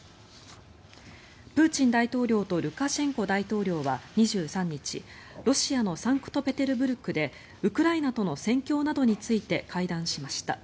プーチン大統領とルカシェンコ大統領は２３日ロシアのサンクトペテルブルクでウクライナとの戦況などについて会談しました。